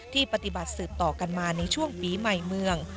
ปฏิบัติสืบต่อกันมาในช่วงปีใหม่เมือง